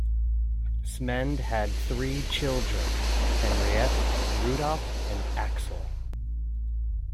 Smend had three children: Henriette, Rudolf and Axel.